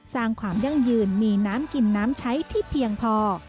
สร้างความยั่งยืนมีน้ำกินน้ำใช้ที่เพียงพอ